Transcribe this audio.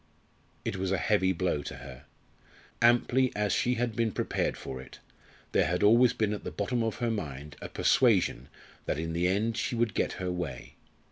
It was a heavy blow to her. Amply as she had been prepared for it, there had always been at the bottom of her mind a persuasion that in the end she would get her way.